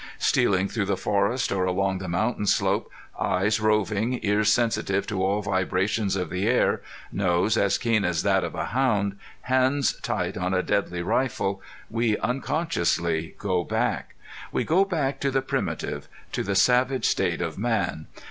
Stealing through the forest or along the mountain slope, eyes roving, ears sensitive to all vibrations of the air, nose as keen as that of a hound, hands tight on a deadly rifle, we unconsciously go back. We go back to the primitive, to the savage state of man.